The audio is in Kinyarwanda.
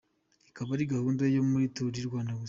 Ikaba ari gahunda yo muri Tour du Rwanda gusa.